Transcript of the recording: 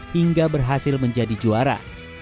hingga berhasil menjadi juara